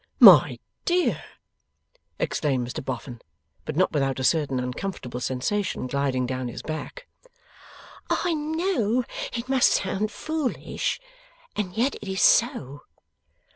'My dear?' exclaimed Mr Boffin. But not without a certain uncomfortable sensation gliding down his back. 'I know it must sound foolish, and yet it is so.